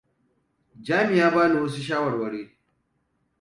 Jami ya bani wasu shawarwari.